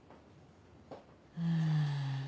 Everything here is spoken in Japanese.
うん。